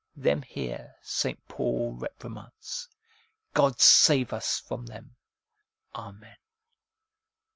Them here St. Paul reprimands. God save us from them ! Amen.